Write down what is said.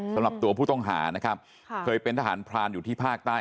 สำหรับผู้ต้องหาเคยเป็นทหารพลานอยู่ที่ภาคใต้